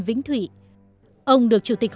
vĩnh thụy ông được chủ tịch